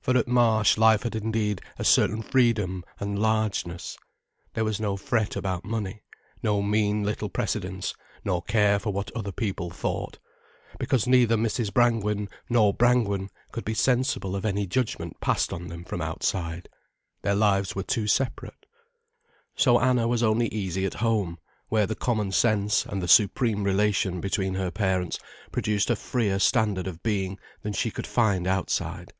For at the Marsh life had indeed a certain freedom and largeness. There was no fret about money, no mean little precedence, nor care for what other people thought, because neither Mrs. Brangwen nor Brangwen could be sensible of any judgment passed on them from outside. Their lives were too separate. So Anna was only easy at home, where the common sense and the supreme relation between her parents produced a freer standard of being than she could find outside.